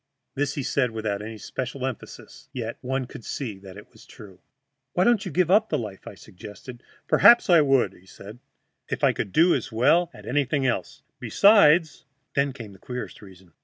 This he said without any special emphasis, yet one could see that it was true. "Why don't you give up the life?" I suggested. "Perhaps I would," said he, "if I could do as well at anything else. Besides " Then came the queerest reason.